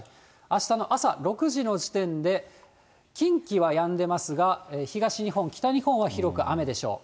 あしたの朝６時の時点で、近畿はやんでますが、東日本、北日本は広く雨でしょう。